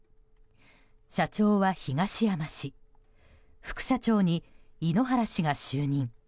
社長は東山氏副社長に、井ノ原氏が就任。